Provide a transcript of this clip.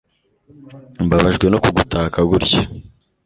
Mbabajwe no kugutaka gutya